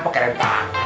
pakai rem tangan